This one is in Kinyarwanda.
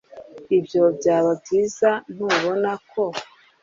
Ibyo byaba byiza ntubona ko